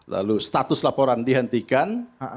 lalu status laporan dihentikan